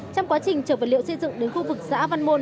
trong quá trình trở về liệu xây dựng đến khu vực xã văn môn